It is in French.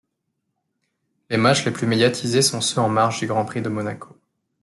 Les matchs les plus médiatisés sont ceux en marge du Grand Prix de Monaco.